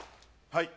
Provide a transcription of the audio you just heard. はい。